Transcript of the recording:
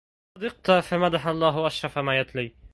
صدقت فمدح الله أشرف ما يتلى